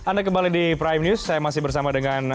anda kembali di prime news saya masih bersama dengan